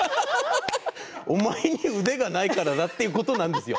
お前に腕がないからだということなんですよ